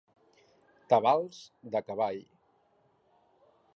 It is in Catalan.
Tabals de cavall.